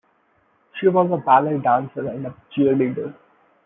She was a ballet dancer and a cheerleader.